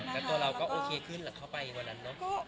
แล้วตัวเราก็โอเคขึ้นหลังเข้าไปวันนั้นเนอะ